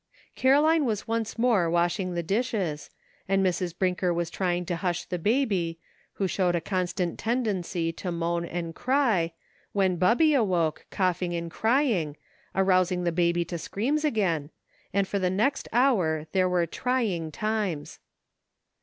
Caroline was once more washing the dishes, and Mrs. Brinker was trying to hush the baby, who showed a constant tendency to moan and cry, when Bubby awoke, coughing and crying, arousing the baby to screams again, and for the next hour there were trying times.